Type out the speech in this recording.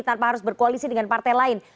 tanpa harus berkoalisi dengan partai lain